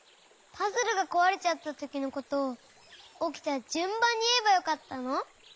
パズルがこわれちゃったときのことをおきたじゅんばんにいえばよかったの？